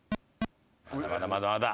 まだまだまだまだ！